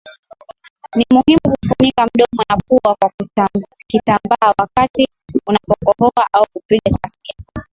Ni muhimu kufunika mdomo na pua kwa kitambaa wakati unapokohoa au kupiga chafya